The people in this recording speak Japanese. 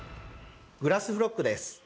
グラスフロッグです。